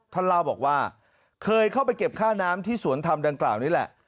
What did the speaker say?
ท่านเล่าบอกว่าเคยเข้าไปเก็บค่าน้ำที่สวนธรรมดังกล่าวนี่แหละ